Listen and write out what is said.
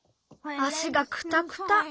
あしがくたくた。